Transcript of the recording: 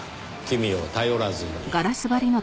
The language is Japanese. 君を頼らずに。